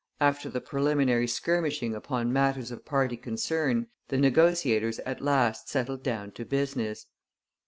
After the preliminary skirmishing upon matters of party concern the negotiators at last settled down to business.